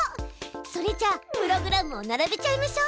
それじゃプログラムを並べちゃいましょう！